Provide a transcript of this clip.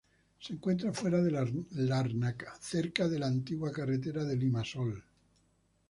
Se encuentra fuera de Larnaca, cerca de la antigua carretera de Limassol.